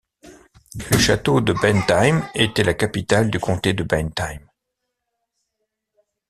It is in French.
Le château de Bentheim était la capitale du comté de Bentheim.